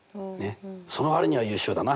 その割には優秀だな。